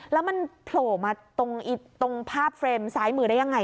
แล้วมันโผล่มาตรงภาพเฟรมซ้ายมือได้ยังไง